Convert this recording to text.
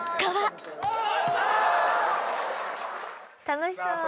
楽しそう。